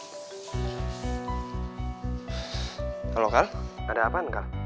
halo kal ada apaan kal